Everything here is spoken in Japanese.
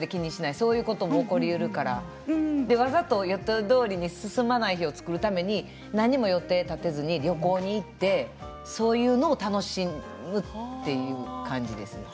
そういうことも起こりうるからわざと予定どおりに進まない日を作るために何も予定を立てずに旅行に行ってそういうのを楽しむという感じですね。